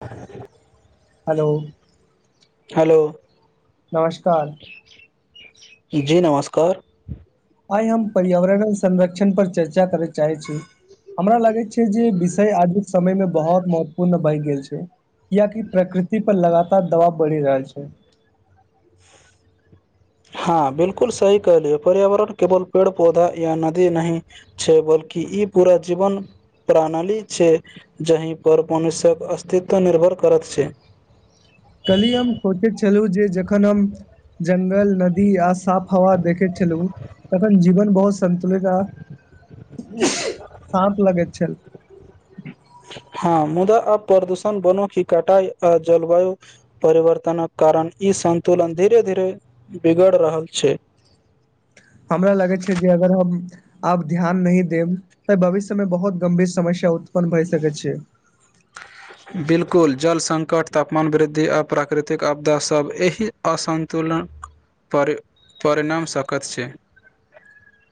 आ हेलो नमस्कार जी नमस्कार आइ हम पर्यावरण संरक्षण पर चर्चा करै चाहै छी हमरा लागै छै छै जे विषय आजुक समय मे बहुत महत्वपूर्ण भए गेल छै कियकि प्रकृति पर लगातार दबाव बढ़ि रहल छै [unintelligible] हँ बिलकुल सही कहलियए पर्यावरण केवल पेड़ पौधा या नदी नहि छै बल्कि कि ई पूरा जीवन प्रणाली छै जही पर मनुष्यक अस्तित्व निर्भर करत छै कली हम सोचैत छलहुँ जे जखन हम जंगल नदी आ साफ हवा देखैत छलु तन जीवन बहुत सन्तुलित रह साँप लगैत छल हँ मुदा आब प्रदूषण वनो की कटाई आ जलवायु परिवर्तनक कारण ई संतुलन धीरे धीरे बिगड़ रहल छै [unintelligible] हमरा लगैत छै जे अगर हम आब ध्यान नहि देब तऽ भविष्य मे बहुत गंभीर समस्या उत्पन्न भए सकै छै बिलकुल जल सङ्कट तापमान वृद्धि आ प्राकृतिक आपदासभ एहि असन्तुलित परिणाम सकत छै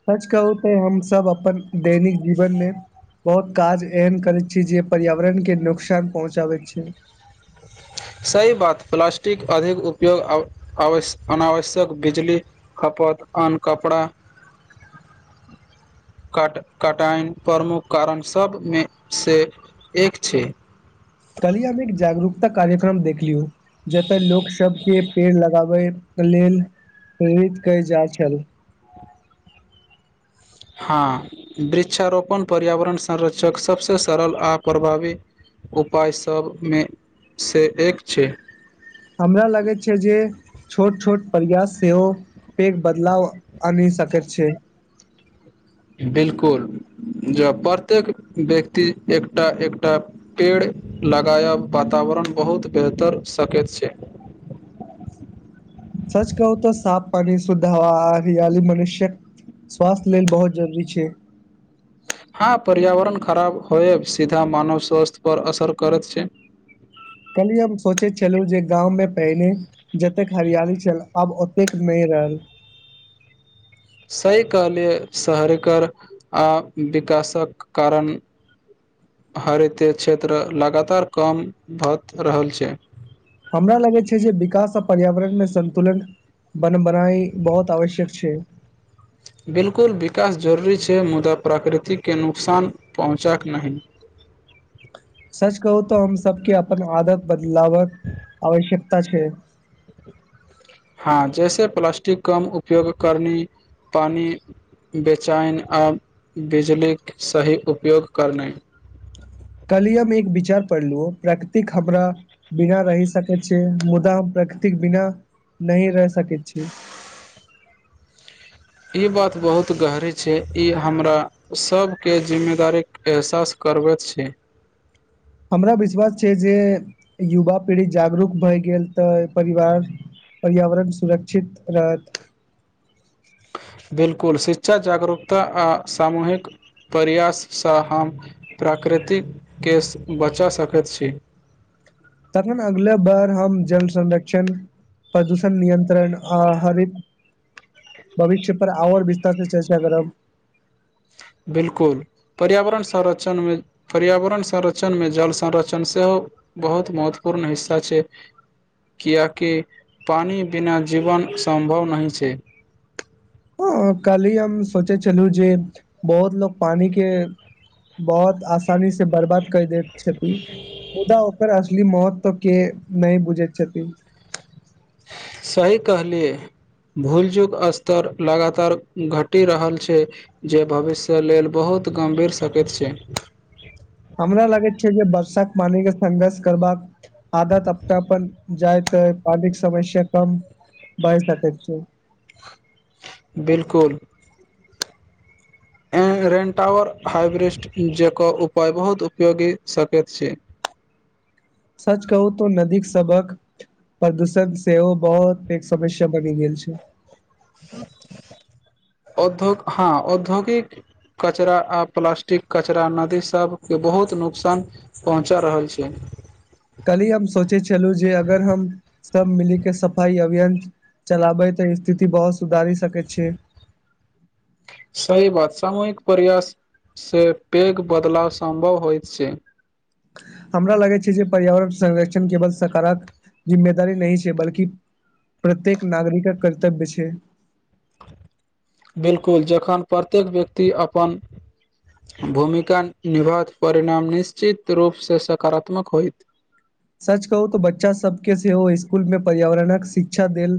सच कहू तेै हम सब अपन दैनिक जीवन मे बहुत काज एहन करैत छी जे पर्यावरणके नुकसान पहुँचाबैत छै [unintelligible] सही बात प्लास्टिक अधिक उपयोग अनावश्यक बिजली खप खपत आन कपड़ा [unintelligible] काट काटान प्रमुख कारण सभमेसँ एक छै कलियामे एक जागरूकता कार्यक्रम देखलियौ जतय लोक सबके पेड़ लगाबे के लेल प्रेरित केल जा छल हँ वृक्षारोपण पर्यावरण संरक्षक सभसँ सरल आ प्रभावी उपायसभमे सँ एक छै हमरा लागै छै जे छोट छोट प्रयास सेहोव पेघ बदलाव आनि सकेत छै बिलकुल ज प्रत्येक व्यक्ति एकटा एकटा पेड़ लगाया बताब वरण बहुत बेहतर सकैत छै [unintelligible] सच कहू तऽ साफ पानी सुधा ह रियाली मनुष्यक स्वास्थय लेल बहुत जरूरी छै हँ पर्यावरण खराब होइ सीधा मानव स्वस्थ्य पर असर करैत छै [unintelligible] कली हम सोचैत छलहु जे गाँव में पहिने जतेक हरियाली छल आब ओतेक मे [unintelligible] सही कहलियै शहरिकर आ विकासक कारण हरिते क्षेत्र लगातार कम भऽ रहल छै हमरा लगै छै जे विकास आ पर्यावरणमे संन्तुलन बन बनाई बहुत आवश्यक छै बिल्कुल विकास जरूरी छै मुदा प्राकृतिके नुकसान पहुँचाक नहि सच कहू तऽ हम सबके अपन आदत बदलावक आवश्यक त छै हँ जैसे प्लास्टिक कम उपयोग करलि पानि बेचैन आब बिजलीक सही उपयोग करनाइ कलियमे एक विचार पढ़लु प्रकृतिक हमरा बिना रहि सकैत छै मुदा हम प्रकृतिक बिना नहि रहि सकैत छी ई बात बहुत गहरी छै ई हमरा सभके जिम्मेदारीके एहसास करबैत छै [unintelligible] हमरा विश्वास छै जे युवा पीढ़ी जागरूक भए गेल तऽ परिवार पर्यावरण सुरक्षित रहत बिल्कुल शिक्षा जागरूकता आ सामूहिक प्रयाससँ हम प्राकृतिक केश बचा सकैत छी तखन अगलाे बार हम जल संरक्षण प्रदूषण नियन्त्रण आ हरित भविष्य पर आओर विस्तार से चर्चा करब बिलकुल पर्यावरण संरक्षण पर्यावरण संरक्षण मे जल संरक्षण सेहो बहुत महत्वपूर्ण हिस्सा छै कियकि पानि बिना जीवन सम्भव नहि छै [unintelligible] काली हम सोचे छलहु जे बहुत लोग पानी के बहुत आसानी से बर्बाद क दैत छथि मुदा ओकर महत्व के नहि बुझैत छथि सही कहलियै भूल चुक स्तर लगातार घटि रहल छै जे भविष्य लेल बहुत बहुत गम्भीर सकेैत छै [unintelligible] हमरा लागैत छै जे वर्षाक पानी के संघर्ष करबाक आदत अपनापन जाइत तऽ पानिक समस्या कम भय सकैत छै बिल्कुल ए रेन्टावर हाइब्रिस्ट जकर उपाय बहुत उपयोगी सकैत छै सच कहू त नदी सबक प्रदूषण सेहो बहुत एक समस्या बनि गेल छै अधोग हँ औद्योगिक कचरा आ प्लास्टिक कचरा नदी सभके बहुत नुकसान पहुँचा रहल छै कल्हि हम सोचै छलहुँ जे अगर हम सब मिली के सफाई अभियान चलाबै तऽ स्थिति बहुत सुधारी सकै छै [unintelligible] सही बात सामूहिक प्रयास से पेघ बदलाव सम्भव होइत छै हमरा लगै छै जे पर्यावरण संरक्षण केवल सकारात्मक जिम्मेदारी नहि छै बल्कि प्रत्येक नागरिकक कर्तव्य छै [unintelligible] बिल्कुल जखन प्रत्येक व्यक्ति अपन भूमिका निभत परिणाम निश्चित रूपसँ सकारात्मक होइत सच कहू तो बच्चा सबके सेहो स्कूल मे पर्यावरणक शिक्षा शिक्षा देल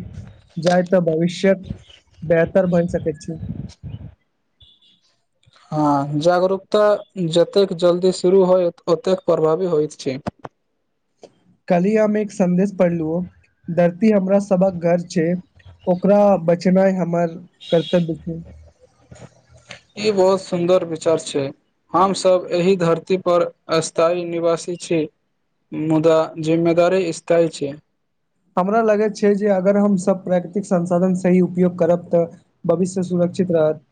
जाय तऽ भविष्य बेहतर बनि सकैत छै [unintelligible] हँ जागरूकता जतेक जल्दी शुरू होय ओतेक प्रभावी होइत छै [unintelligible] कली हममे एक संदेश पढ़लहु धरती हमरा सबहक घर छै ओकरा बचेनाइ हमर कर्तव्य छै ई बहुत सुन्दर विचार छै हमसभ एहि धरती पर स्थायी निवासी छी मुदा जिम्ममेदारी स्थाय छै हमरा लगैत छै जे अगर हम सब प्राकृतिक संसाधन सही उपयोग करब तऽ भविष्य सुन चित रहत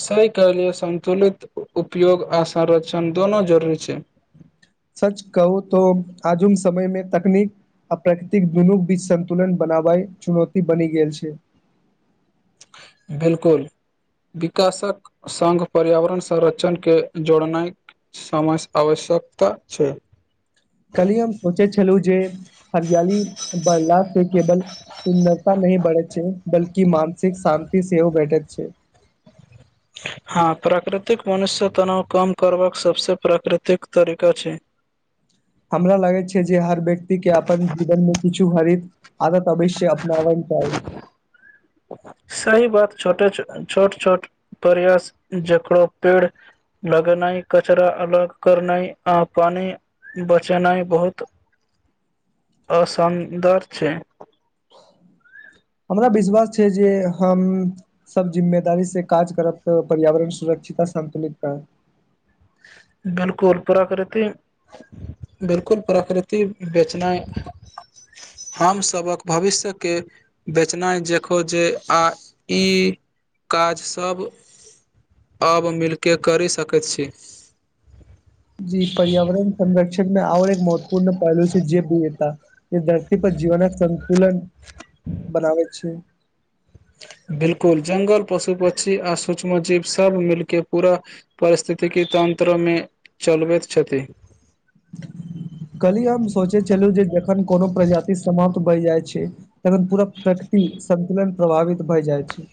सह कहलिय संन्तुलित उपयोग आ संरक्षण दोनो जरूरी छै सच कहू तो आजुम समय मे तकनीक आ प्रकृतिक दुनू बीच संतुलन बनावइ चुनौती बनि गेल छै बिल्कुल विकासक संघ पर्यावरण संरक्षण के जोड़नाय समय आवश्यकता छै कली हम सोचे छलहु जे हरियाली बढ़ला से केवल सुन्दता मे बढ़े छै बल्कि मानसिक शान्ति सेहो भेटैत छै हँ प्राकृतिक मनुष्य तनाव कम करबाक सबसे प्राकृतिक तरीका छै हमरा लगैत छै जे हर व्यक्ति के अपन जीवनमे किछु हरित आ तबिस्य अपनावल जायत [unintelligible] सही बात छोटे छोट छोट प्रयास जकड़ो पेड़ लगनाइ कचरा अलग करनाइ अ पानि बचेनाइ बहुत असन्दर छै हमरा विश्वास छै जे हम सब जिम्मेदारी से काज करब तऽ पर्यावरण सुरक्ष चिता संतुलित क बिल्कुल प्राकृति बिल्कुल प्रकृति बेचनाइ हम सभक भविष्यके बेचनाइ देखो जे आ ई काज सभ आब मिलकेऽ करि सकैत छी जी पर्यावरण संरक्षण मे आओर एक महत्वपूर्ण पहलू छै जेव विविधता जे धरती पर जीवन सतुलन बनाबे छै बिलकुल जंगल पशु पक्षी आ सूक्ष्म जीव सभ मिलके पूरा परिस्थिति के चीतन मे चलबैत छथि [inaudible] काल्हिए हम सोचै छलहु जे जखन कोनो प्रजाति समाप्त भइ जाइ छै तखन पूरा प्राकृति सन्तुलन प्रभावित भए जाइ छै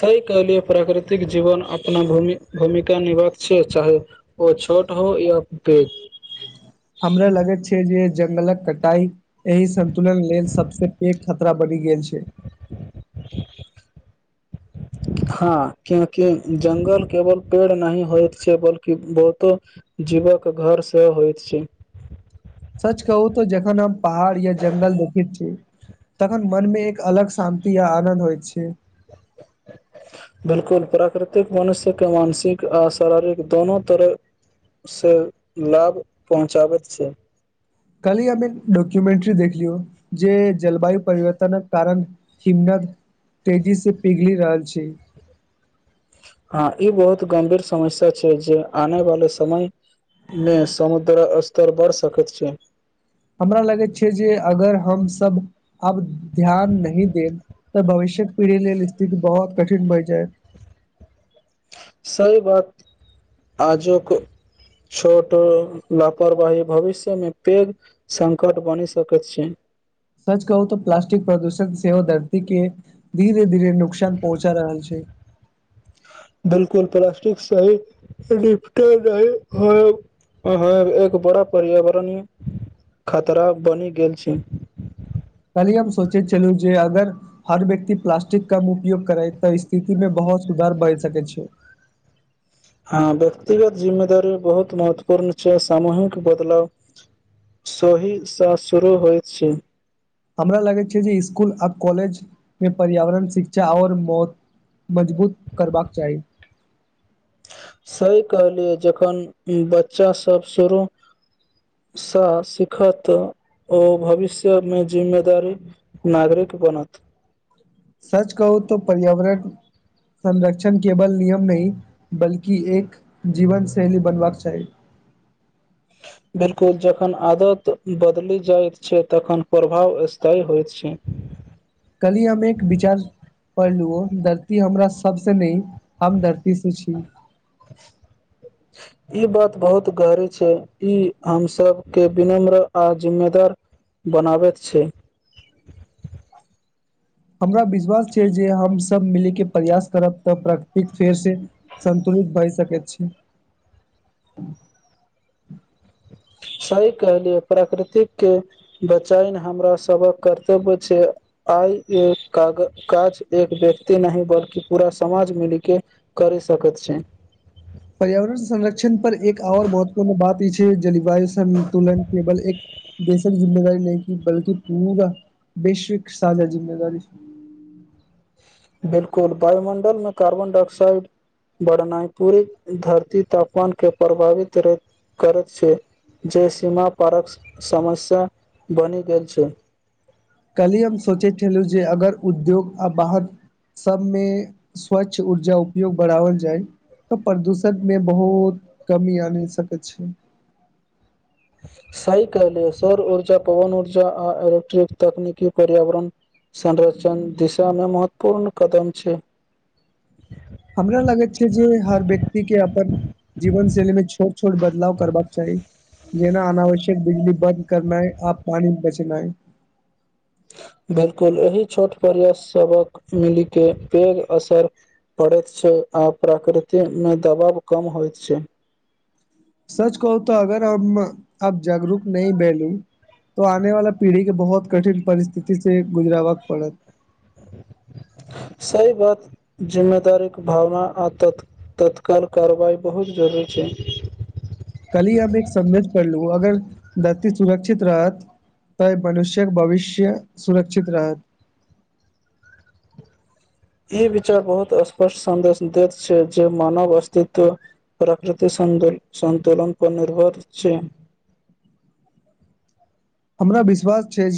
सही कहलिय प्राकृतिक जीवन अपना भूमि भूमिका निभक छै चाहे ओ छोट हो या पेघ [inaudible] हमरा लगैत छै जे जंगलक कटाई एहि संतुलन लेल सबस पैघ खतरा बनि गेल छै [unintelligible] हँ क्योंकि जंगल केवल पेड़ नहि होइत छै बल्कि बहुतो जीवक घरसँ होइत छै सच कहू तऽ जखन हम पहाड़ या ज्गल देखैत छि तखन मनमे एक अलग शान्ति आ आनन्द होइत छै बिलकुल प्राकृतिक मनुष्य मानसिक आ शारीरिक दोनो तरह से लाभ पहुँचाबैत छै कल्हि हम एक डॉक्युमेंट्री देखलियौ जे जलवायु परिवर्तनक कारण हिमन तेजी से पिघलि रहल छी हँ ई बहुत गंभीर समस्या छै जे आने वाले समय ने समुद्र अस्तर बर सखत छै हमरा लगैत छै जे अगर हमसब आब ध्यान नहि देब तऽ भविष्य छेत पीढ़ी लेल स्थिति बहुत कठिन भैइ छै सही बात आजोक छोट लापरवाही भविष्यमे पैघ संकट बनि सकैत छै सच कहू तऽ प्लास्टिक प्रदूषण सेहो धरती के धीरे धीरे नुकसान पहुँचा रहल छै प्लासटिक सहित रिफ्टे नहि होयब अहाँ एक बड़ा पर्यावरणीय खतरा बनि गेल छी काल्हि हम सोचे चलू जे अगर हर व्यक्ति प्लाास्टिक कम उपयोग करे तऽ स्थिति मेे बहुत सुधार भय सक छै हँ व्यक्तिगत जिम्मेदारी बहुत महत्वपूर्ण छै सामूहिक बदलाव सोहीशा शुरू होइत छी। हमरा लगैत छैय जे स्कुल आ कॉलेजमे पर्यावरण शिक्षा और मौत मजबूत करबाक चाही। सही कहलियै जखन बच्चा सभ शुरू सँ सीखत ओ भविष्यमे जिम्मेदारी नागरिक बनत सच कहू तऽ पर्यावरण संरक्षण केवल नियम नय बल्कि एक जीवन शैली बनबाक चाही [inaudible] बिलकुल जखन आदत बदलि जाइत छै तखन प्रभाव स्थाई होइत छै कली हम एक विचार पढ़लु धरती हमरा सबसँ नैय हम धरती से छी ई बात बहुत गहरी छै ई हम सब के विनम्र आर जिम्मेदार बनाबैत छै [inaudible] हमरा विश्वास छै जे हम सब मिल के प्रयास करब तऽ प्रकृतिक फेरसँ संतु पुरुप भय सकेत छै सही कहलियै प्राकृतिक के बचायन हमरा सबक कर्तव्य छै आ य काग काज एक व्यक्ति नहि बल्कि पूरा समाज मिलिके करि सकै [unintelligible] पर्यावरण संरक्षण पर एक आर महत्वपूर्ण बात ई छैय जलवायु संन्तुलन केवल एक बेसक जिम्मेदारी नहि कि बलकि पूरा वैश्विक साझा जिम्मेदारी बिलकुल वायुमंदलमे कार्बन डाइऑक्साइड बड़नाई पूरी धरती तापमान के प्रभावित करैत करैत छैय। जे सीमा परक समस्या बनि गेल छैय। कली हम सोचे छलू जे अगर उद्योग आ बाहर सबमे स्वच्छ ऊर्जा उपयोग बढ़ाओल जाय। तऽ प्रदूषण मे बहुत कमी आनि सकै छैय। सही कहलियै सर ऊर्जा पवन ऊर्जा आ इलेक्ट्रिक तकनीकी पर्यावरण संरचन दिशामे महत्वपूर्ण कदम छैय। हमरा लगैत छैय जे हर व्यक्ति के अपन जीवन शैली मे छोट छोट बदलाव करबाक चाही। जेना अनावश्यक बिजली बन्द करनाय आ पानी बचनाय। बिलकुल एहि छोट परयस सबक मिली के पेघ असर पड़ैत छैय। आ प्रकृतिमे दबाव कम होइत छैय। सच कहू तऽ अगर हम आब जागरूक नहि भैलौं तऽ आने वाला पीढ़ीके बहुत कठिन परिस्थितिसँ गुजरैए पड़त। [inaudible] सही बात जिम्मेदारीके भावना आ तत्काल कार्यवाही बहुत जरूरी छैय। कलही हम एक सन्देश पढ़लौं अगर धरती सुरक्षित रहत तऽ मनुष्यक भविष्य सुरक्षित रहत। ई विचार बहुत स् प सन्देश दैत छैय जे मानव अस्तित्व प्रकृति संतुलन पर निर्भर छैय। [inaudible] हमरा विश्वास छैय जे